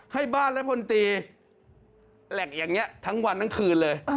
ให้บ้านและพลตรีแหลกอย่างนี้ทั้งวันทั้งคืนเลย